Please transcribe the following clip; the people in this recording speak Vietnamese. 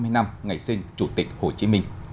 một trăm ba mươi năm ngày sinh chủ tịch hồ chí minh